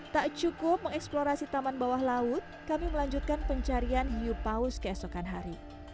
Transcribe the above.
tak cukup mengeksplorasi taman bawah laut kami melanjutkan pencarian hiu paus keesokan hari